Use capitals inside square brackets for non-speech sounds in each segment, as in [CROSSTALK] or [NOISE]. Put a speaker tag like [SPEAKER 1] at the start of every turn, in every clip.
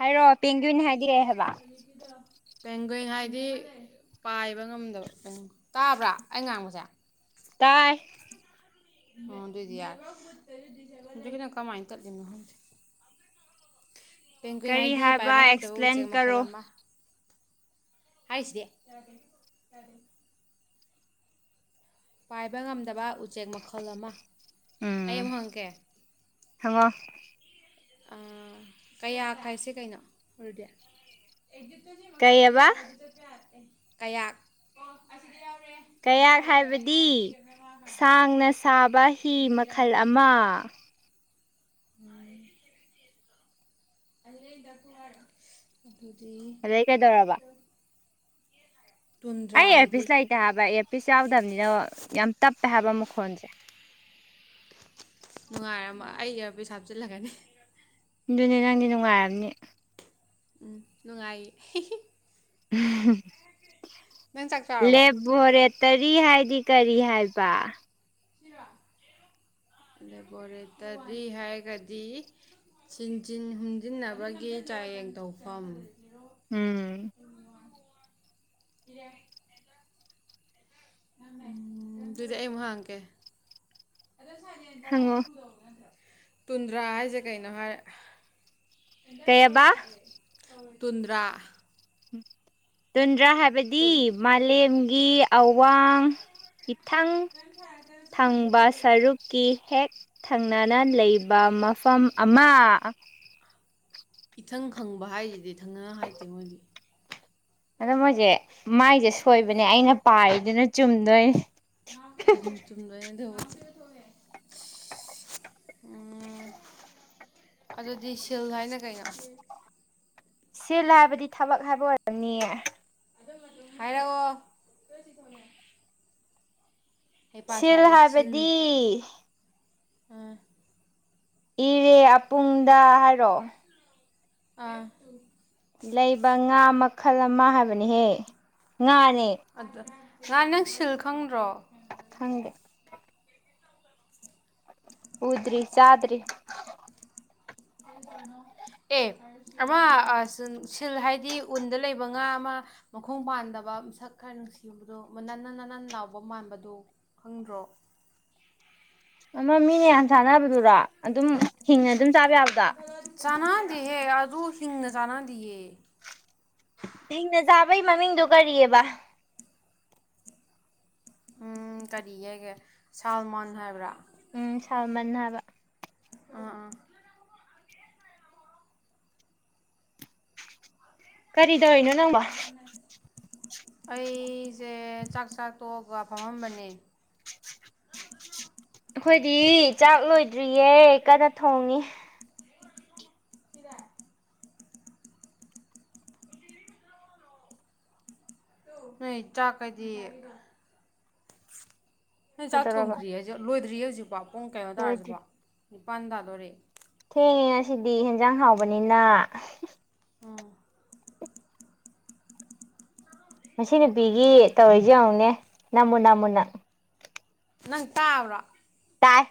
[SPEAKER 1] ꯍꯥꯏꯔꯣꯑꯣ ꯄꯦꯡꯒꯤꯨꯅꯦ ꯍꯥꯏꯗꯤꯔꯦ ꯍꯥꯏꯕ
[SPEAKER 2] ꯄꯦꯡꯒꯦꯡ ꯍꯥꯏꯗꯤ ꯄꯥꯏꯕ ꯉꯝꯗꯕ ꯇꯥꯕ꯭ꯔꯥ ꯑꯩ ꯉꯥꯡꯕꯁꯦ
[SPEAKER 1] ꯇꯥꯏ
[SPEAKER 2] ꯎ ꯑꯗꯨꯗꯤꯅ ꯀꯃꯥꯏꯇꯅ ꯄꯦꯟ ꯀꯨꯏꯟ
[SPEAKER 1] ꯀꯔꯤ
[SPEAKER 2] ꯍꯥꯏꯗꯤ
[SPEAKER 1] ꯍꯥꯏꯕ
[SPEAKER 2] ꯄꯥꯏꯕ ꯉꯝꯗꯕ ꯎꯆꯦꯛ
[SPEAKER 1] ꯑꯦꯛꯁꯄ꯭ꯂꯦꯟ
[SPEAKER 2] ꯃꯈꯜ
[SPEAKER 1] ꯀꯔꯣ
[SPEAKER 2] ꯑꯃ ꯍꯥꯏꯁ ꯗꯦ ꯄꯥꯏꯕ ꯉꯝꯗꯕ ꯆꯦꯛ ꯃꯈꯜ ꯑꯃ ꯑꯩ
[SPEAKER 1] ꯎꯝ
[SPEAKER 2] ꯑꯃꯨꯛ ꯍꯪꯉꯛꯀꯦ
[SPEAKER 1] ꯍꯪꯉꯣ
[SPEAKER 2] ꯑꯥ ꯀꯌꯥꯛ ꯍꯥꯏꯁꯦ ꯀꯩꯅꯣ ꯔꯨꯗꯤ ꯑꯦꯛꯖꯤꯠꯇꯣ ꯁꯤ ꯃꯈꯥꯁꯤꯗ
[SPEAKER 1] ꯀꯩꯑꯕ
[SPEAKER 2] ꯌꯥꯎꯋꯦ ꯑꯗꯣ ꯆꯠꯄ ꯌꯥꯗꯦ ꯀꯌꯥꯛ
[SPEAKER 1] ꯀꯌꯥꯛ ꯍꯥꯏꯕꯗꯤ ꯁꯥꯡꯅ ꯁꯥꯕ ꯍꯤ ꯃꯈꯜ ꯑꯃ
[SPEAKER 2] [UNINTELLIGIBLE] ꯗꯨꯗꯤ
[SPEAKER 1] ꯑꯗꯩ ꯀꯩꯗꯧꯔꯕ ꯑꯩ ꯑꯦꯌꯥꯔꯄꯤꯁ ꯂꯩꯇꯦ ꯍꯥꯏꯕ ꯑꯦꯌꯔꯄꯤꯁ ꯌꯥꯎꯗꯝꯅꯤꯅ ꯌꯥꯝ ꯇꯞꯄꯦ ꯍꯥꯏꯕ ꯃꯛ ꯈꯣꯟꯁꯦ
[SPEAKER 2] ꯅꯨꯡꯉꯥꯏꯔꯝꯃ ꯑꯩ ꯏꯌꯔꯄꯤꯁ ꯍꯥꯞꯆꯤꯜꯂꯒꯅꯤ
[SPEAKER 1] ꯗꯨꯅꯦ ꯅꯪꯗꯤ ꯅꯨꯡꯉꯥꯏꯔꯝꯅꯤ
[SPEAKER 2] ꯎꯝ ꯅꯨꯡꯉꯥꯏ
[SPEAKER 1] [UNINTELLIGIBLE]
[SPEAKER 2] ꯅꯪ ꯆꯥꯛ ꯆꯥꯔꯕꯣ
[SPEAKER 1] ꯂꯦꯕꯣꯔꯦꯠ ꯀꯔꯤ ꯍꯥꯏꯗꯤ ꯀꯔꯤ ꯍꯥꯏꯕ
[SPEAKER 2] ꯂꯦꯕꯣꯔꯦꯇꯔꯤ ꯍꯥꯏꯒꯗꯤ ꯆꯤꯟꯖꯤꯟ ꯍꯨꯝꯖꯤꯟꯅꯕꯒꯤ ꯆꯥꯌꯦꯡ ꯇꯧꯐꯝ
[SPEAKER 1] ꯎꯝ
[SPEAKER 2] [UNINTELLIGIBLE] [INAUDIBLE] ꯗꯨꯗꯤ ꯑꯩ ꯑꯃꯨꯛ ꯍꯪꯉꯛꯀꯦ
[SPEAKER 1] ꯍꯪꯉꯛ ꯑꯣ
[SPEAKER 2] ꯇꯨꯟꯗ꯭ꯔꯥ ꯍꯥꯏꯖꯦ ꯀꯩꯅꯣ ꯍꯥꯏ
[SPEAKER 1] ꯀꯩꯑꯕ
[SPEAKER 2] [UNINTELLIGIBLE] [INAUDIBLE] ꯇꯨꯟꯗ꯭ꯔꯥ
[SPEAKER 1] ꯇꯨꯟ ꯗ꯭ꯔꯥ ꯍꯥꯏꯕꯗꯤ
[SPEAKER 2] ꯇꯨꯟ
[SPEAKER 1] ꯃꯥꯂꯦꯝ ꯀꯤ ꯑꯋꯥꯡ ꯊꯪ ꯊꯪꯕ ꯁꯔꯨꯛꯀꯤ ꯍꯦꯛ ꯊꯪꯅꯅ ꯂꯩꯕ ꯃ ꯄꯝ ꯑꯃ
[SPEAKER 2] ꯏꯊꯪ ꯈꯪꯕ ꯍꯥꯏꯖꯤꯗꯤ ꯊꯪꯪꯅꯅ ꯍꯥꯏꯇꯦ ꯃꯣꯏꯒꯤ
[SPEAKER 1] ꯑꯗꯣ ꯃꯣꯏꯖꯦ ꯃꯥꯏꯖꯦ ꯁꯣꯏꯕꯅꯦ ꯑꯩꯅ ꯄꯥꯏꯔꯤꯗꯨꯅ ꯆꯨꯝꯗꯣꯏꯅꯤ
[SPEAKER 2] ꯆꯨꯝꯗꯣꯏꯅꯤ ꯑꯗꯨꯕꯨ ꯎꯝ ꯑꯗꯨꯗꯤ ꯁꯤꯜ ꯍꯥꯏꯅ ꯀꯩꯅꯣ
[SPEAKER 1] ꯁꯤꯜꯂ ꯍꯥꯏꯕꯗꯤ ꯊꯕꯛ ꯍꯥꯏꯕ ꯑꯣꯏꯔꯝꯅꯤꯌꯦ
[SPEAKER 2] ꯍꯥꯏꯔꯀꯑꯣ
[SPEAKER 1] ꯁꯤꯜ ꯍꯥꯏꯕꯗꯤ
[SPEAKER 2] ꯑꯥ
[SPEAKER 1] ꯏꯔꯦ ꯑꯄꯨꯡꯗ ꯍꯥꯏꯔꯛꯣ
[SPEAKER 2] ꯑꯥ
[SPEAKER 1] ꯂꯩꯕ ꯉꯥꯃꯛ ꯈꯜ ꯑꯃ ꯍꯥꯏꯕꯅꯤꯍꯦ ꯉꯅꯦ
[SPEAKER 2] ꯉꯍ ꯅꯪ ꯁꯤꯜ ꯈꯪꯗ꯭ꯔꯣ
[SPEAKER 1] ꯍꯪꯦ ꯎꯗ꯭ꯔꯤ ꯆꯗ꯭ꯔꯤ
[SPEAKER 2] ꯑꯦ ꯑꯃ ꯁꯤꯜ ꯍꯥꯏꯗꯤ ꯎꯟꯗ ꯂꯩꯕ ꯉꯥ ꯑꯃ ꯃꯈꯣꯡ ꯄꯥꯟꯗꯕ ꯃꯁꯛ ꯈꯔ ꯅꯨꯡꯁꯤꯕꯗꯣ ꯅꯟꯅ ꯅꯟꯅꯟꯅ ꯂꯅꯥꯎꯕ ꯃꯥꯟꯕꯗꯨꯣ ꯈꯪꯗ꯭ꯔꯣ
[SPEAKER 1] ꯃ ꯃꯅꯤ ꯁꯥꯟꯅꯕꯗꯨꯔꯣ ꯑꯗꯨꯝ ꯍꯤꯡꯉ ꯑꯗꯨꯝ ꯆꯥꯕ ꯌꯥꯕꯗ
[SPEAKER 2] ꯍꯦ ꯑꯗꯨ ꯍꯤꯡꯅ ꯆꯥꯟꯅꯗꯤꯌꯦ
[SPEAKER 1] ꯍꯦꯡꯅ ꯆꯥꯕꯒꯤ ꯃꯃꯤꯡꯗꯨ ꯀꯔꯤꯑꯕ
[SPEAKER 2] ꯎꯝ ꯀꯔꯤꯒꯤꯒꯦ ꯁꯜꯃꯟ ꯍꯥꯏꯕ꯭ꯔꯥ
[SPEAKER 1] ꯎꯝ ꯁꯜꯃꯟ ꯍꯥꯏꯕ
[SPEAKER 2] ꯑꯥ ꯑꯥ
[SPEAKER 1] ꯀꯔꯤ ꯇꯅ ꯅꯪꯕ
[SPEAKER 2] ꯑꯩꯁꯦ ꯆꯥꯛ ꯆꯥꯛ ꯇꯣꯛꯑꯒ ꯐꯝꯃꯝꯕꯅꯦ
[SPEAKER 1] ꯑꯩꯈꯣꯏꯗꯤ ꯆꯥꯛ ꯂꯣꯏꯗ꯭ꯔꯤꯌꯦ ꯀꯟꯅ ꯊꯣꯡꯉꯤ
[SPEAKER 2] ꯀꯔ ꯅꯣꯏ ꯆꯥꯛꯀꯗꯤ ꯍ ꯆꯥꯛ
[SPEAKER 1] ꯀꯩꯗꯧꯔꯕ
[SPEAKER 2] ꯊꯣꯡꯗ꯭ꯔꯤ ꯂꯣꯏꯗ꯭ꯔꯤ ꯌꯖꯤꯕ ꯄꯨꯡ ꯀꯩꯅꯣ ꯇꯥꯔꯁꯤꯕꯣ ꯄꯥꯟꯗꯥꯗꯣꯔꯦ
[SPEAKER 1] ꯊꯦꯡ ꯁꯤꯗꯤ ꯍ ꯏꯟꯖꯥꯡ ꯍꯥꯎꯕꯅꯤꯅ
[SPEAKER 2] ꯎꯝ
[SPEAKER 1] ꯉꯁꯤ ꯅꯨꯄꯤꯒꯤ ꯇꯧꯔꯤꯁꯦ ꯌꯦꯡꯉꯨꯅꯦ ꯅꯃꯨ ꯅꯅꯥꯃꯨꯟꯅ
[SPEAKER 2] ꯅꯪ ꯇꯥꯕ꯭ꯔꯣ
[SPEAKER 1] ꯇꯥꯛ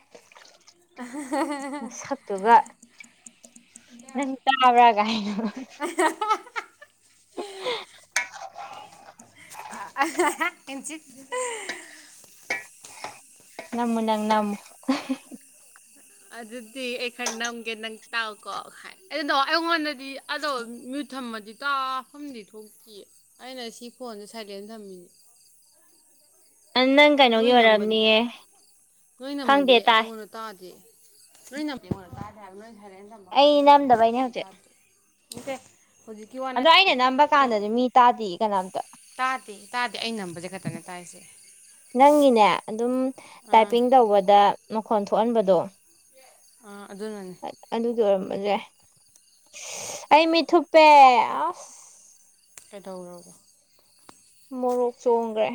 [SPEAKER 1] ꯅꯪ ꯇꯥꯕ꯭ꯔꯥ ꯀꯥꯏꯅ
[SPEAKER 2] ꯀ
[SPEAKER 1] ꯅꯝ ꯅꯪ ꯅꯝ
[SPEAKER 2] ꯑꯗꯨꯗꯤ ꯑꯩ ꯈꯔ ꯅꯝꯒꯦ ꯅꯪ ꯇꯥꯛꯀꯣ ꯍꯥꯏ ꯑꯗꯨꯅ ꯑꯩꯉꯣꯟꯗꯗꯤ ꯑꯗꯣ ꯃꯤꯨ ꯊꯝꯃꯗꯤ ꯇꯥꯐꯝꯗꯤ ꯊꯣꯛꯇ ꯑꯩꯅ ꯁꯤ ꯐꯣꯟꯗꯦ ꯁꯥꯏꯂꯦꯟ ꯊꯝꯃꯤꯅꯦ
[SPEAKER 1] ꯅꯪ ꯀꯩꯅꯣꯒꯤ ꯑꯣꯏꯔꯑꯝꯅꯤꯌꯦ
[SPEAKER 2] ꯂꯣꯏꯅꯃꯗꯤꯦ ꯑꯩꯉꯣꯟꯅ ꯇꯥ ꯂꯃꯤꯉ ꯀ ꯍꯥꯏ ꯅꯣꯏ ꯍꯥꯏꯔꯦꯩꯅ ꯊꯝꯃ ꯀꯥꯟꯗ
[SPEAKER 1] ꯑꯩ
[SPEAKER 2] ꯅ ꯅꯝꯃꯗꯣ
[SPEAKER 1] ꯅꯝꯗꯕꯩꯅꯦ
[SPEAKER 2] ꯑꯩ
[SPEAKER 1] ꯍꯧꯖꯤꯛ
[SPEAKER 2] ꯇꯥꯗꯗꯦ ꯅꯠꯇꯦ ꯍꯧꯖꯤꯛꯀꯤ ꯋꯥꯅ
[SPEAKER 1] ꯑꯗꯣ ꯑꯩꯅ ꯅꯝꯕ ꯀꯥꯟꯗꯗꯤ ꯃꯤ ꯇꯥꯗꯦ ꯀꯅꯥꯝꯇ
[SPEAKER 2] ꯇꯥꯗꯦ ꯇꯥꯗꯦ ꯑꯩ ꯅꯝꯕꯁꯦ ꯈꯛꯇꯅꯦ ꯇꯥꯏꯔꯤꯁꯦ
[SPEAKER 1] ꯅꯪꯒꯤꯅꯦ ꯑꯗꯨꯝ ꯇꯥꯏꯄꯤꯡ ꯇꯧꯕꯗ ꯃꯈꯣꯟ ꯊꯣꯛꯍꯟꯕꯗꯣ
[SPEAKER 2] ꯑ ꯑꯗꯨꯅꯅꯤ
[SPEAKER 1] ꯑꯣꯏꯔꯝꯃꯁꯦ ꯑꯩ ꯃꯤꯠꯊꯨꯞꯄꯦ ꯑꯁ
[SPEAKER 2] ꯀꯩꯗꯧꯔꯒꯦ
[SPEAKER 1] ꯃꯣꯔꯣꯛ ꯆꯣꯡꯈ꯭ꯔꯦ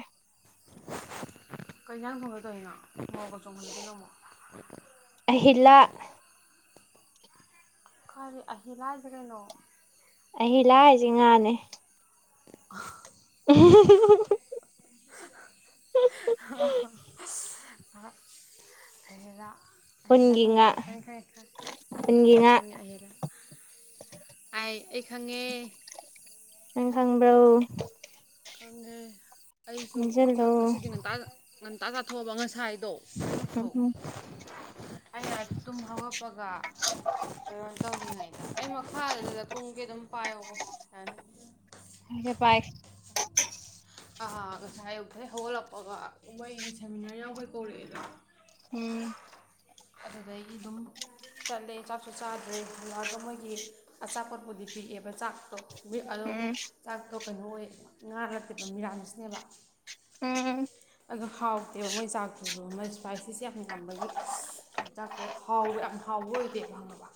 [SPEAKER 2] ꯀꯩ ꯀꯥꯡ ꯈꯨꯝꯕꯗꯧꯔꯤꯅꯣ ꯑꯣ ꯀ ꯆꯅꯃ
[SPEAKER 1] ꯑꯍꯤꯂꯥ
[SPEAKER 2] ꯀꯔꯤ ꯑꯍ ꯂꯥꯏꯁꯦ ꯀꯩꯅꯣ
[SPEAKER 1] ꯑꯩ ꯂꯥꯛꯏꯁꯦ ꯉꯥꯅꯦ
[SPEAKER 2] ꯑ
[SPEAKER 1] [INAUDIBLE]
[SPEAKER 2] ꯂꯩ
[SPEAKER 1] ꯎꯟꯒꯤ
[SPEAKER 2] ꯑꯍꯍꯤꯂꯗ
[SPEAKER 1] ꯉꯥ
[SPEAKER 2] ꯃꯗꯀ ꯈ
[SPEAKER 1] ꯎꯟꯒꯤ ꯉꯥ
[SPEAKER 2] ꯑꯍꯂꯥ ꯑꯩ ꯑꯩ ꯈꯪꯉꯦ
[SPEAKER 1] ꯅꯪ ꯈꯪꯕ꯭ꯔꯣ
[SPEAKER 2] ꯀꯪꯃꯦ ꯑꯩꯁꯨ ꯆꯥꯛ
[SPEAKER 1] ꯅꯤꯡꯁꯤꯡꯂꯣ
[SPEAKER 2] ꯉꯁꯤꯗꯤ ꯉꯟꯇꯥ ꯉ ꯇꯥ ꯀꯥꯊꯑ ꯉꯁꯥꯏ
[SPEAKER 1] ꯎꯝ
[SPEAKER 2] ꯑꯩꯅ ꯇꯨꯝ ꯍꯧꯒꯠꯄꯒ ꯀꯩꯅꯣ ꯇꯧꯅꯤꯡꯉꯩꯗ ꯑꯩ ꯃꯈꯥ ꯊꯨꯝꯒꯤ ꯑꯗꯨꯝ ꯄꯥꯏꯌꯣꯀꯣ ꯌꯥꯅꯤ
[SPEAKER 1] ꯍꯦ ꯄꯥꯏ
[SPEAKER 2] ꯑꯥꯥꯒ ꯁꯥꯥꯏꯦ ꯎꯦ ꯍꯣꯜꯄꯒ ꯃꯣꯏ ꯁꯦꯃꯤꯅꯔ ꯌꯥꯎꯕꯣꯏ ꯀꯣꯂꯦꯖꯗ
[SPEAKER 1] ꯎꯝ
[SPEAKER 2] ꯑꯗꯨꯗꯒꯤ ꯑꯗꯨꯝ ꯆꯠꯂꯦ ꯆꯥꯛꯁꯨ ꯆꯥꯗ꯭ꯔꯦ ꯑꯗꯨꯔꯒ ꯃꯣꯏꯒꯤ ꯑꯆꯥꯄꯣꯠꯄꯨꯗꯤ ꯄꯤꯛꯑꯦꯕ ꯆꯥꯛꯇꯣ ꯑꯗꯣ
[SPEAKER 1] ꯎꯝ
[SPEAKER 2] ꯇꯥꯛꯊꯣꯛ ꯀꯗꯣꯏ ꯉꯥ ꯅꯠꯇꯦꯠꯕ ꯃꯤꯂꯅꯁꯅꯦꯕ
[SPEAKER 1] ꯎꯝ
[SPEAKER 2] ꯑꯗꯨ ꯍꯥꯎꯇꯦꯕ ꯃꯣꯏ ꯆꯥꯛꯇꯣ ꯎꯩꯁ ꯏꯁꯄꯥꯏꯁꯤꯁꯦ ꯌꯥꯝ ꯌꯥꯝꯕꯒꯤ ꯍꯇꯥꯛꯇꯣ ꯍꯥꯎꯕ ꯌꯥꯝ ꯍꯥꯎꯕ ꯑꯣꯏꯗꯦ ꯂꯕ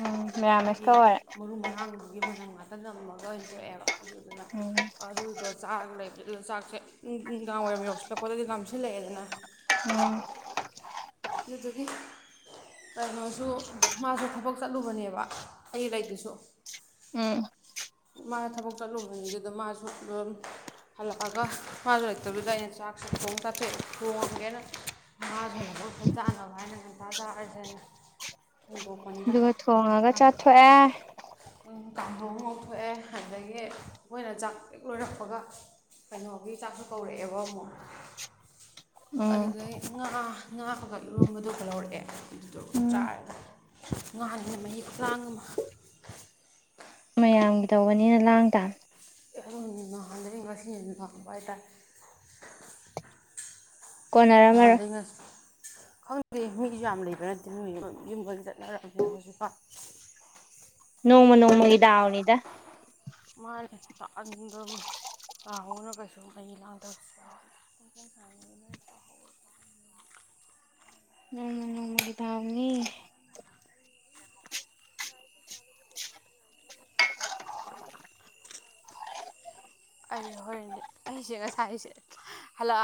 [SPEAKER 1] ꯎꯝ
[SPEAKER 2] ꯑꯩꯒꯤ
[SPEAKER 1] ꯃꯦꯔꯥꯃꯦꯁꯀ ꯑꯣꯏꯔꯦ
[SPEAKER 2] ꯃꯔꯨ ꯃꯔꯥꯡꯗꯨꯒꯤ ꯃꯅꯝ ꯉꯥꯛꯇꯗ ꯑꯃꯨ ꯂꯣꯏ ꯊꯣꯛꯣꯛꯑꯦꯕ ꯑꯗꯨꯗꯨꯅ
[SPEAKER 1] ꯎꯝ
[SPEAKER 2] ꯑꯗꯨꯗꯣ ꯆꯥꯛ ꯂꯩ ꯗꯨꯅ ꯆꯥꯛꯁꯦ ꯅꯨꯡꯗꯥꯡ ꯋꯥꯏꯔꯝ ꯌꯧꯁꯤꯜꯂꯛꯄꯗꯗꯤ ꯉꯥꯝꯁꯤꯜꯂꯛꯑꯦꯗꯅ
[SPEAKER 1] ꯎꯝ
[SPEAKER 2] ꯑꯗꯨꯗꯨꯒꯤ ꯀꯩꯅꯣꯁꯨ ꯃꯥꯁꯨ ꯊꯕꯛ ꯆꯠꯂꯨꯕꯅꯦꯕ ꯑꯩ ꯂꯩꯗꯨꯁꯨ
[SPEAKER 1] ꯎꯝ
[SPEAKER 2] ꯃꯥ ꯊꯕꯛ ꯆꯠꯂꯨꯕꯅꯤꯗꯨꯗ ꯃꯥꯁꯨ ꯗꯨꯝ ꯍꯜꯂꯛꯑꯒ ꯃꯥꯁꯨ ꯂꯩꯇꯕꯗꯨꯗ ꯑꯩꯅ ꯆꯥꯛꯁꯦ ꯊꯣꯡ ꯆꯥꯊꯣꯛꯑ ꯊꯣꯡꯒꯦꯅ ꯃꯥꯁꯨ ꯑꯗꯨ ꯑꯃ ꯍ ꯆꯥꯟꯅꯕ ꯍꯥꯏꯅ ꯅꯤꯡꯄꯥꯥ ꯆꯥꯈꯔꯁꯤꯅꯤ
[SPEAKER 1] ꯑꯗꯨꯨꯒ ꯊꯣꯡꯉꯒ ꯆꯥꯊꯣꯛꯑꯦ
[SPEAKER 2] ꯀꯥꯡꯍꯧꯑꯝ ꯉꯧꯊꯣꯛ ꯊꯣꯛꯑꯦ ꯑꯗꯒꯤ ꯃꯣꯏꯅ ꯆꯥꯛ ꯍꯦꯛ ꯂꯣꯏꯔꯛꯄꯒ ꯀꯩꯅꯣꯒꯤ ꯆꯥꯛꯁꯨ ꯀꯧꯔꯛꯑꯦꯕ ꯑꯃꯨꯛ
[SPEAKER 1] ꯎꯝ
[SPEAKER 2] ꯑꯗꯨꯗꯩ ꯉꯥ ꯉꯥꯒ ꯏꯔꯣꯝꯕꯗꯨꯒ ꯂꯧꯔꯛꯑꯦ ꯑꯗꯨꯗꯣ
[SPEAKER 1] ꯎꯝ
[SPEAKER 2] ꯆꯥꯔꯅꯤ ꯉꯥꯅꯦꯅ ꯃꯍꯤ ꯈꯨꯂꯥꯡ ꯑꯃ
[SPEAKER 1] ꯃꯌꯥꯝꯒꯤ ꯇꯧꯕꯅꯤꯅ ꯂꯥꯡ ꯇꯥꯝ
[SPEAKER 2] ꯈꯪꯗꯦ [UNINTELLIGIBLE] ꯅꯍꯥꯟꯗꯩ ꯉꯁꯤꯅ ꯍꯦꯟ ꯂꯥꯡꯕ ꯍꯥꯏ ꯇꯥꯔꯦ
[SPEAKER 1] ꯀꯣꯟꯅꯔꯝꯃꯔꯣꯏ
[SPEAKER 2] ꯅꯍꯥꯟꯗꯩ ꯉ ꯈꯪꯗꯦ ꯃꯤꯁꯨ ꯌꯥꯝ ꯂꯩꯕ ꯅꯠꯇꯦ ꯅꯣꯏ [UNINTELLIGIBLE] ꯌꯨꯝ ꯂꯣꯏ ꯆꯠꯅꯔꯝꯃꯅꯤ ꯍꯧꯖꯤꯛꯀꯥꯟ
[SPEAKER 1] ꯅꯣꯡꯃ ꯅꯣꯡꯃꯒꯤ ꯗꯥꯎꯅꯤꯗ
[SPEAKER 2] ꯑꯟꯗ ꯇꯥꯎꯔꯒꯁꯨ ꯃꯍꯤ ꯂꯥꯡꯗꯕꯁꯨ ꯌꯥꯎ
[SPEAKER 1] ꯅꯣꯡꯃ ꯅꯣꯡꯃꯒꯤ ꯗꯥꯎꯅꯤ [UNINTELLIGIBLE]
[SPEAKER 2] ꯑꯩ ꯍꯣꯏꯔꯦꯟꯗꯤ ꯑꯩꯁꯦ ꯉꯁꯥꯏꯁꯦ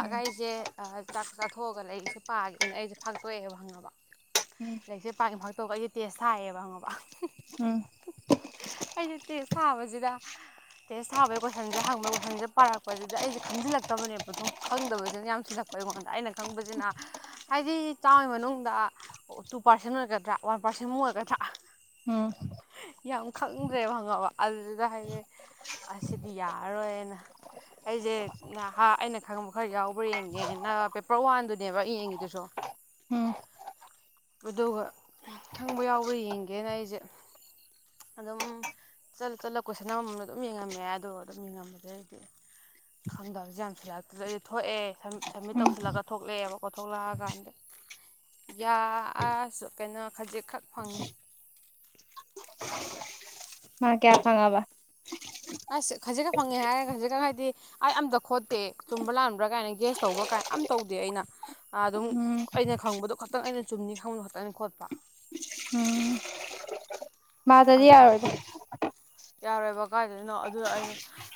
[SPEAKER 1] ꯎꯝ
[SPEAKER 2] ꯑꯩꯁꯦ ꯑ ꯆꯥꯛꯁꯨ ꯆꯥ ꯊꯣꯛꯑꯒ ꯂꯩꯔꯤꯛꯁꯦ ꯄꯥꯒꯦꯅ ꯑꯩꯁꯦ ꯐꯥꯇꯣꯛꯑꯦꯕ ꯈꯪꯉꯕ
[SPEAKER 1] ꯇ ꯎꯝ
[SPEAKER 2] ꯑꯗꯨꯒ ꯑꯩꯁꯦ ꯇꯦꯁ ꯊꯥꯏꯌꯦꯕ ꯈꯪꯉꯕ
[SPEAKER 1] ꯎꯝ
[SPEAKER 2] ꯑꯩꯖꯦ ꯇꯦꯁ ꯊꯥꯕꯁꯤꯗ ꯇꯦꯁ ꯊꯥꯕꯩ ꯒꯣꯏ ꯁꯟꯁꯦ ꯍꯪꯕ ꯀꯣꯏꯁꯟꯁꯦ ꯄꯥꯔꯛꯄꯁꯤꯗ ꯑꯩꯖꯦ ꯈꯪꯖꯤꯜꯂꯛꯇꯕꯅꯦꯕ ꯑꯗꯨꯝ ꯈꯪꯗꯕꯁꯤꯅ ꯌꯥꯝꯁꯤꯜꯂꯛꯄ ꯑꯩꯉꯣꯟꯗ ꯑꯩꯅ ꯈꯪꯕꯁꯤꯅ ꯍꯥꯏꯗꯤ ꯆꯥꯝꯃꯩ ꯃꯅꯨꯡꯗ ꯇꯨ ꯄꯥꯔꯁꯦꯟ ꯑꯣꯏꯒꯗ꯭ꯔꯥ ꯋꯥꯟ ꯄꯥꯔꯁꯦꯟꯃꯨꯛ ꯑꯣꯏꯒꯗ꯭ꯔꯥ
[SPEAKER 1] ꯎꯝ
[SPEAKER 2] ꯌꯥꯝ ꯈꯪꯗ꯭ꯔꯦꯕ ꯈꯪꯉꯕ ꯑꯗꯨꯗ ꯍꯥꯏꯗꯤ ꯑꯁꯤꯗꯤ ꯌꯥꯔꯔꯣꯏꯅ ꯑꯩꯖꯦ ꯅꯍꯥ ꯑꯩꯅ ꯈꯪꯕ ꯈꯔ ꯌꯥꯎꯕ꯭ꯔꯥ ꯌꯦꯡꯒꯦꯅ ꯄꯦꯄꯔ ꯋꯥꯟꯗꯨꯅꯦꯕ ꯌꯦꯡꯉꯤꯗꯨꯁꯨ
[SPEAKER 1] ꯎꯝ
[SPEAKER 2] ꯑꯗꯨꯒ ꯈꯪꯕ ꯌꯥꯎꯕ꯭ꯔꯥ ꯌꯦꯡꯒꯦꯅ ꯑꯩꯁꯦ ꯑꯗꯨꯝ ꯆꯠꯂ ꯆꯠꯂ ꯀꯣꯏꯁꯟ ꯑꯃꯃꯝ ꯑꯗꯨꯝ ꯌꯦꯡꯉꯝꯃꯦ ꯑꯗꯨꯒ ꯑꯗꯨꯝ ꯌꯦꯡꯉꯝꯕꯗꯩ ꯈꯪꯗꯕꯁꯦ ꯌꯥꯝꯁꯤꯜꯂꯛꯇ꯭ꯔꯩ ꯊꯣꯛꯑꯦ ꯁꯝꯃꯤ ꯁꯝꯃꯤꯠ
[SPEAKER 1] ꯎꯝ
[SPEAKER 2] ꯇꯧꯁꯤꯜꯂꯒ ꯊꯣꯛꯂꯛꯑꯦꯕꯀꯣ ꯊꯣꯛꯂꯛꯑꯀꯥꯟꯗ ꯌꯥ ꯑꯥꯁ ꯀꯩꯅꯣ ꯈꯖꯤꯛꯈꯛ ꯐꯪꯉꯦ
[SPEAKER 1] ꯃꯥꯛ ꯀꯌꯥ ꯐꯪꯉꯕ
[SPEAKER 2] ꯑꯁ ꯈꯖꯤꯛ ꯈꯛ ꯐꯪꯉꯦ ꯍꯥꯏꯔꯒ ꯈꯖꯤꯛ ꯈꯛ ꯍꯥꯏꯗꯤ ꯑꯩ ꯑꯝꯇ ꯈꯣꯠꯇꯦ ꯆꯨꯝꯕ꯭ꯔꯥ ꯂꯥꯟꯕ꯭ꯔꯥ ꯀꯥꯏꯅ ꯒꯦꯁ ꯇꯧꯕ꯭ꯔꯥ ꯀꯥꯏꯅ ꯑꯝ ꯇꯧꯗꯦ ꯑꯩꯅ ꯑꯗꯨꯝ
[SPEAKER 1] ꯎꯝ
[SPEAKER 2] ꯑꯩꯅ ꯈꯪꯕꯗꯣ ꯈꯛꯇꯪ ꯑꯩꯅ ꯆꯨꯝꯅꯤ ꯈꯪꯕꯗꯣ ꯈꯇꯪꯅꯦ ꯈꯣꯠꯄ
[SPEAKER 1] ꯎꯝ ꯃꯥꯗꯗꯤ
[SPEAKER 2] ꯑꯗꯨꯈꯛ
[SPEAKER 1] ꯌꯥꯔꯣꯏꯗ
[SPEAKER 2] ꯈꯣꯠꯄ ꯌꯥꯔꯣꯏꯕ ꯀꯥꯏꯗꯩꯅꯣ ꯑꯗꯨ ꯑꯩꯅ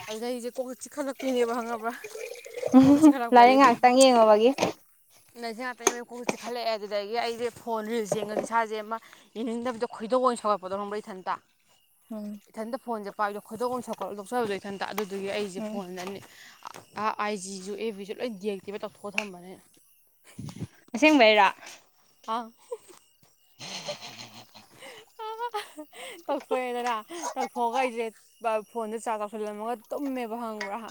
[SPEAKER 2] ꯑꯗꯨꯗꯩ ꯑꯩꯁꯦ ꯀꯣꯛ ꯆꯤꯛꯈꯠꯂꯛꯄꯤꯅꯦꯕ ꯈꯪꯉꯕ꯭ꯔꯥ
[SPEAKER 1] ꯎꯝ ꯍꯨꯝ
[SPEAKER 2] ꯀꯣꯛꯁꯦ
[SPEAKER 1] ꯍꯨꯝ
[SPEAKER 2] ꯆꯤꯛꯈꯠꯂꯛꯄꯗ
[SPEAKER 1] ꯂꯥꯏꯔꯤꯛ ꯉꯥꯛꯇꯪ ꯌꯦꯡꯉꯨꯕꯒꯤ
[SPEAKER 2] ꯅꯩꯁꯦ ꯉꯥꯇꯪ ꯌꯦꯡ [UNINTELLIGIBLE] ꯀꯣꯛꯁꯦ ꯆꯤꯈꯛꯠꯂꯛꯑꯦ ꯑꯗꯨꯗꯒꯤ ꯑꯩꯁꯦ ꯐꯣꯟ ꯔꯤꯜꯁ ꯌꯦꯡꯉꯗꯤ ꯏꯁꯥꯁꯦ ꯑꯃ ꯌꯦꯡꯅꯤꯡꯗꯕꯗꯣ ꯈꯣꯏꯗꯧ ꯑꯣꯏꯅ ꯁꯧꯒꯠ ꯕꯣꯗꯧꯔꯝꯕ꯭ꯔꯣ ꯏꯊꯟꯇ
[SPEAKER 1] ꯎꯝ
[SPEAKER 2] ꯏꯊꯟꯇ ꯐꯣꯟꯁꯦ ꯄꯥꯏꯕꯗ ꯈꯣꯏꯗꯧ ꯑꯣꯏ ꯁꯥꯎꯒꯠꯂ ꯇꯣꯛꯆꯕꯗꯣ ꯏꯊꯟꯇ ꯑꯗꯨꯗꯨꯒꯤ ꯑꯩꯁꯦ
[SPEAKER 1] ꯎꯝ
[SPEAKER 2] ꯐꯣꯟꯗꯅꯤ ꯑ ꯑꯥꯏ ꯖꯤꯁꯨ ꯑꯦ ꯕꯤꯁꯨ ꯂꯣꯏ ꯗꯤꯑꯦꯛꯇꯤꯕꯧꯠ ꯇꯧꯊꯣꯛꯑ ꯊꯝꯕꯅꯦ ꯑꯩꯅ
[SPEAKER 1] ꯑꯁꯦꯡꯕꯩꯔꯣ
[SPEAKER 2] ꯑꯥ ꯑꯥ ꯑꯍ ꯇꯧꯊꯣꯛꯑꯦꯗꯅ ꯇꯧꯊꯣꯛꯑꯒ ꯑꯩꯖꯦ ꯕ ꯐꯣꯟꯖꯧ ꯆꯥꯔ꯭ꯁ ꯇꯧꯁꯜꯂꯝꯃꯒ ꯇꯨꯝꯃꯦꯕ ꯈꯪꯕ꯭ꯔꯥꯍ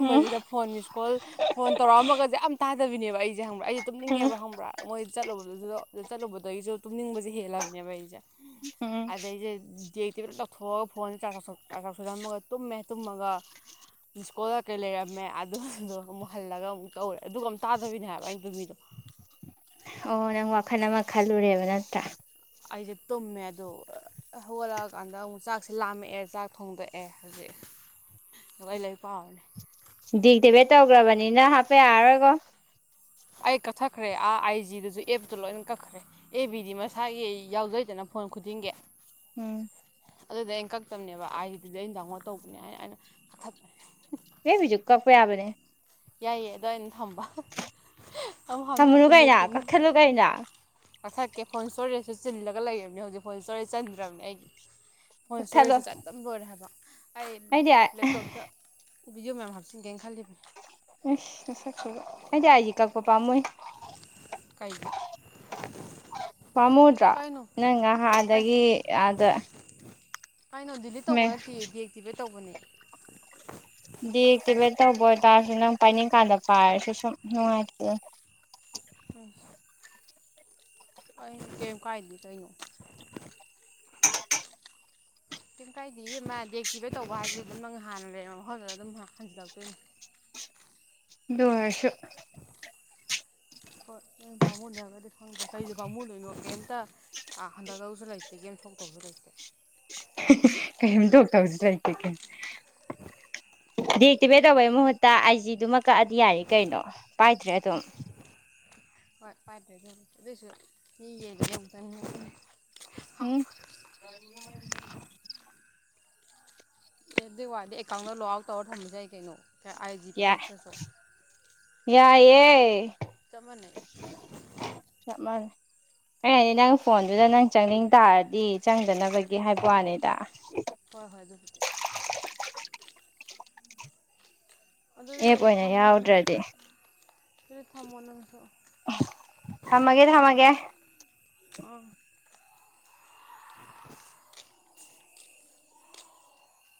[SPEAKER 1] ꯎꯝ
[SPEAKER 2] ꯐꯣꯟ ꯃꯤꯁ ꯀꯣꯜ ꯐꯣꯟ ꯇꯧꯔꯛꯑꯝꯕꯒꯁꯦ ꯑꯝ ꯇꯥꯗꯕꯤꯅꯦꯕ ꯑꯩꯁꯦ ꯈꯪꯕ꯭ꯔꯥ ꯑꯩꯁꯦ
[SPEAKER 1] ꯎꯝ
[SPEAKER 2] ꯇꯨꯝꯅꯤꯡꯉꯦꯕ ꯈꯪꯕ꯭ꯔꯥ ꯃꯣꯏ ꯆꯠꯂꯨꯕꯗꯨꯗꯣ ꯆꯠꯂꯨꯕꯗꯒꯤꯁꯨ ꯇꯨꯝꯅꯤꯡꯕꯁꯦ ꯍꯦꯜꯂꯕꯅꯦꯕ ꯑꯩꯁꯦ ꯁꯦ
[SPEAKER 1] ꯎꯝ
[SPEAKER 2] ꯑꯗꯩꯖꯦ ꯗꯤꯑꯦꯛꯇꯤꯚꯦꯠ ꯇꯧꯊꯣꯛꯑ ꯐꯣꯟꯁꯦ ꯆꯥꯔ꯭ꯁ ꯇꯧꯁꯜ ꯆꯥꯔ꯭ꯁ ꯇꯧꯁꯜꯂꯝꯃꯒ ꯇꯨꯝꯃꯦ ꯇꯨꯝꯃꯒ ꯃꯤꯁꯀꯣꯜ ꯀꯀꯩ ꯂꯩꯔꯝꯃꯦ ꯑꯗꯨꯗꯣ ꯑꯃꯨꯛ ꯍꯜꯂꯒ ꯑꯃꯨꯛ ꯇꯧꯔꯦ ꯑꯗꯨꯒ ꯑꯝ ꯇꯥꯗꯕꯤꯅꯦ ꯍꯥꯏꯕ ꯑꯩꯅ ꯇꯨꯝꯃꯤꯗꯣ
[SPEAKER 1] ꯑꯣ ꯅꯪ ꯋꯥꯈꯜ ꯑꯃ ꯈꯜꯂꯨꯔꯦꯕ ꯅꯠꯇ꯭ꯔꯥ
[SPEAKER 2] ꯑꯩꯖꯦ ꯇꯨꯝꯃꯦ ꯑꯗꯨꯑ ꯍꯧꯒꯠꯂꯛꯑꯀꯥꯟꯗ ꯑꯃꯨꯛ ꯆꯥꯛꯁꯦ ꯂꯥꯝꯃꯛꯑꯦ ꯆꯥꯛ ꯊꯣꯡꯗꯣꯛꯑꯦ ꯍꯧꯖꯤꯛ ꯑꯗꯨꯒ ꯑꯩ ꯂꯩꯔꯤꯛ ꯄꯥꯎꯔꯅꯤ
[SPEAKER 1] ꯗꯤꯑꯦꯛꯇꯤꯕꯦꯠ ꯇꯧꯒ꯭ꯔꯕꯅꯤꯅ ꯍꯥꯞꯄ ꯌꯥꯔꯣꯏꯀꯣ
[SPEAKER 2] ꯑꯩ ꯀꯛꯊꯠꯈ꯭ꯔꯦ ꯑꯥ ꯑꯥꯏ ꯖꯤꯗꯨꯁꯨ ꯑꯦꯞꯇꯨ ꯂꯣꯏꯅ ꯀꯛꯈ꯭ꯔꯦ ꯑꯦ ꯕꯤꯗꯤ ꯃꯁꯥꯒꯤ ꯑꯩ ꯌꯥꯎꯖꯩꯗꯅ ꯐꯣꯟ ꯈꯨꯗꯤꯡꯒꯤ
[SPEAKER 1] ꯎꯝ
[SPEAKER 2] ꯑꯗꯨꯗ ꯑꯩꯅ ꯀꯛꯇꯝꯅꯦꯕ ꯑꯥꯏ ꯖꯤꯗꯨꯗꯤ ꯑꯩꯅ ꯗꯥꯎꯟꯂꯣꯗ ꯇꯧꯕꯅꯦ ꯍꯥꯏꯅ ꯑꯩꯅ ꯀꯛꯊꯠꯄꯅꯦ
[SPEAKER 1] ꯑꯦꯞ ꯕꯤ ꯖꯨ ꯀꯛꯄ ꯌꯥꯕꯅꯦ
[SPEAKER 2] ꯌꯥꯏꯌꯦ ꯑꯗꯅ ꯊꯝꯕ ꯑꯃꯨꯛ
[SPEAKER 1] ꯊꯃꯅꯨ
[SPEAKER 2] ꯍꯥꯞꯅꯕꯗ
[SPEAKER 1] ꯀꯥꯏꯅ ꯀꯛꯈꯦꯜꯂꯨ ꯀꯥꯏꯅ
[SPEAKER 2] ꯀꯥꯊꯛꯀꯦ ꯐꯣꯟ ꯏꯁꯇꯣꯔꯦꯖꯁꯨ ꯆꯤꯜꯂꯒ ꯂꯩꯔꯕꯅꯤ ꯍꯧꯖꯤꯛ ꯐꯣꯟ ꯏꯁꯇꯣꯔꯦꯖ ꯆꯟꯗ꯭ꯔꯕꯅꯤ ꯑꯩꯒꯤ ꯍꯣꯏ
[SPEAKER 1] ꯀꯛꯊꯠꯂꯣ
[SPEAKER 2] ꯏꯁꯣꯔꯤꯁꯤ ꯆ ꯑꯗꯨꯝ ꯂꯣꯏꯔꯦ ꯍꯥꯏꯕ ꯑꯩ
[SPEAKER 1] ꯑꯩꯗꯤ ꯑꯁ
[SPEAKER 2] ꯂꯦꯞꯇꯣꯞꯇ ꯕꯤꯌꯝ ꯃꯌꯥꯝ ꯍꯥꯞꯆꯤꯟꯟꯒꯦꯅ ꯈꯜꯂꯤꯕ
[SPEAKER 1] ꯁꯁꯛꯕ ꯑꯩꯗꯤ ꯑꯩꯗꯤ ꯀꯛꯄ ꯄꯥꯝꯃꯣꯏ
[SPEAKER 2] ꯀꯩꯅꯣ
[SPEAKER 1] ꯄꯥꯝꯃꯨꯗ꯭ꯔꯥ
[SPEAKER 2] ꯀꯩꯅꯣ
[SPEAKER 1] ꯅꯪ
[SPEAKER 2] ꯀꯩ
[SPEAKER 1] ꯉꯥꯏꯍꯥꯗꯒꯤ ꯑꯥꯗ
[SPEAKER 2] ꯀꯩꯅꯣ ꯗꯤꯂꯤꯠ ꯇꯧꯕ
[SPEAKER 1] ꯃꯦ
[SPEAKER 2] ꯅꯠꯇꯦꯗꯤ ꯑꯦꯛꯇꯤꯚꯦꯠ ꯇꯧꯕꯅꯦ
[SPEAKER 1] ꯗꯤ ꯑꯦꯛꯇꯤꯚꯦꯠ ꯇꯧꯕ ꯑꯣꯏꯇꯥꯔꯁꯨ ꯅꯪ ꯄꯥꯏꯅꯤꯡꯀꯥꯟꯗ ꯄꯥꯏꯔꯁꯨ ꯁꯨꯝ ꯅꯨꯡꯉꯥꯏꯇꯦ
[SPEAKER 2] ꯎꯝ ꯑꯩ ꯀꯔꯤ ꯀꯥꯏꯗꯤ ꯀꯩꯅꯣ ꯀꯔꯤ ꯀꯥꯏꯗ ꯑꯃ ꯗꯦꯛꯇꯤꯚ ꯇꯧꯕ ꯍꯥꯏꯁꯤꯗꯤ ꯑꯗꯨꯝ ꯅꯪ ꯍꯥꯟꯅ ꯂꯩꯔꯝꯕ ꯃꯐꯝꯗꯨꯗ ꯑꯗꯨꯝ ꯍꯟꯖꯤꯜꯂꯛꯇꯣꯏꯅꯦ
[SPEAKER 1] ꯣꯁꯨ
[SPEAKER 2] ꯀꯃꯅ ꯀꯗꯤ ꯍ ꯀꯩꯗ ꯄꯥꯝꯃꯨ ꯂꯣꯏꯅꯣꯒꯦ ꯑꯛꯇ ꯍꯟꯊꯗꯕꯁꯨ ꯂꯩꯇꯦ ꯒꯦꯝ ꯁꯣꯛꯇꯕꯁꯨ ꯂꯩꯇꯦ
[SPEAKER 1] ꯀꯔꯤꯝꯇꯣꯛ ꯇꯧꯁꯤ ꯂꯩꯇꯦ ꯀꯦ
[SPEAKER 2] [UNINTELLIGIBLE]
[SPEAKER 1] ꯗꯤ ꯑꯦꯛꯇꯤꯚꯦꯠ ꯇꯧꯕꯒꯤ ꯃꯍꯨꯠꯇ ꯑꯩꯁꯤꯗꯨꯃꯛ ꯀꯛꯑꯗꯤ ꯌꯥꯏ ꯀꯩꯅꯣ ꯄꯥꯏꯗ꯭ꯔꯦ ꯑꯗꯨꯝ
[SPEAKER 2] ꯍꯣꯏ ꯄꯥꯏꯗ ꯑꯗꯨꯁꯨ ꯌꯦꯇ
[SPEAKER 1] ꯎꯝ
[SPEAKER 2] ꯑꯦꯐ ꯕꯤ ꯋꯥꯏꯗ ꯑꯦꯀꯥꯎꯟꯗ ꯂꯣꯛ ꯑꯥꯎꯠ ꯇꯧꯔ ꯊꯝꯖꯩ ꯀꯩꯅꯣ ꯑꯥꯏ ꯖꯤꯗꯣ
[SPEAKER 1] ꯌꯥꯏ
[SPEAKER 2] ꯀꯛꯇ꯭ꯔꯁꯨ
[SPEAKER 1] ꯌꯥꯏ ꯑꯦꯌꯦꯏ
[SPEAKER 2] ꯇꯞ ꯃꯅꯤ
[SPEAKER 1] ꯍꯗꯤ ꯅꯪ ꯐꯣꯟꯗꯨꯗ ꯅꯪ ꯆꯪꯅꯤꯡ ꯇꯥꯔꯗꯤ ꯆꯪꯗꯅꯕꯒꯤ ꯍꯥꯏꯕ ꯋꯥꯅꯤꯗ
[SPEAKER 2] ꯍꯣꯏ ꯍꯣꯏ ꯑꯗꯨꯦ
[SPEAKER 1] ꯑꯦꯞ
[SPEAKER 2] ꯑꯗꯨꯗꯤ
[SPEAKER 1] ꯑꯣꯏꯅ ꯌꯥꯎꯗ꯭ꯔꯗꯤ
[SPEAKER 2] ꯑꯗꯨ ꯊꯝꯃꯣ ꯅꯪꯁꯨꯣ
[SPEAKER 1] ꯊꯃꯒꯦꯗꯤ ꯊꯃꯒꯦ [UNINTELLIGIBLE]
[SPEAKER 2] ꯑꯣ